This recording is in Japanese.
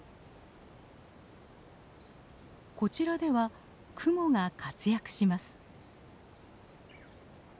こちらではクモが活躍します。